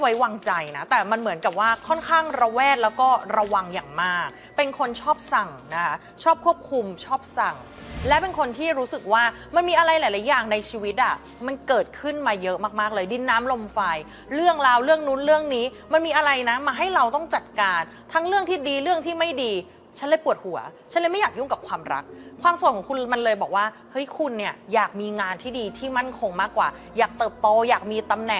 แล้วก็ระวังอย่างมากเป็นคนชอบสั่งชอบควบคุมชอบสั่งและเป็นคนที่รู้สึกว่ามันมีอะไรหลายอย่างในชีวิตอ่ะมันเกิดขึ้นมาเยอะมากเลยดินน้ำลมไฟเรื่องราวเรื่องนู้นเรื่องนี้มันมีอะไรนะมาให้เราต้องจัดการทั้งเรื่องที่ดีเรื่องที่ไม่ดีฉันเลยปวดหัวฉันเลยไม่อยากยุ่งกับความรักความส่วนของคุณมันเลยบอกว่าเฮ้ยคุณเน